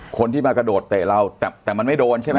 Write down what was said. คนที่มากระโดดเตะเราแต่มันไม่โดนใช่ไหม